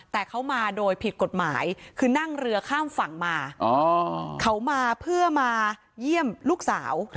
แต่เขามาโดยผิดกฎหมายคือนั่งเรือข้ามฝั่งมาเขามาเพื่อมาเยี่ยมลูกสาว